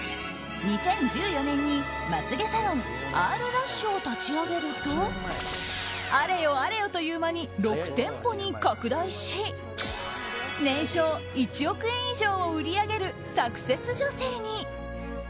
２０１４年にまつ毛サロンＲ’Ｌｕｓｈを立ち上げるとあれよあれよという間に６店舗に拡大し年商１億円以上を売り上げるサクセス女性に。